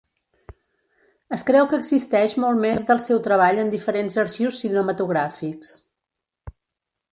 Es creu que existeix molt més del seu treball en diferents arxius cinematogràfics.